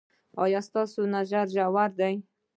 ایا ستاسو نظر ژور دی؟